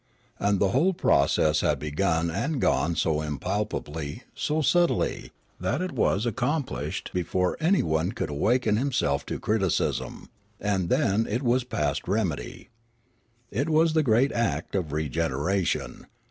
And the whole process had begun and gone on so impalpably, so subtly, that it was accomplished before anyone could awaken himself to criticism ; and then it was past remedy. It was the great act of regeneration.